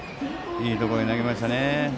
いいところに投げましたね。